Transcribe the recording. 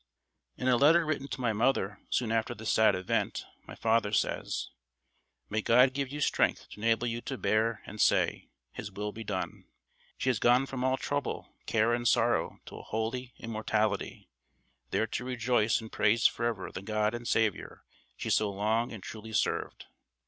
In a letter written to my mother soon after this sad event my father says: "May God give you strength to enable you to bear and say, 'His will be done.' She has gone from all trouble, care and sorrow to a holy immortality, there to rejoice and praise forever the God and Saviour she so long and truly served.